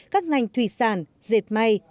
các ngành thủy sản dệt may